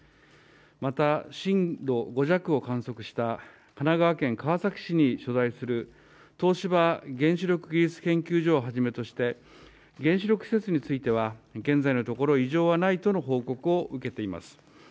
また震度５弱を観測した神奈川県川崎市に所在する東芝原子力技術研究所をはじめとして原子力施設については現在のところ異常はないとの報告を受けています。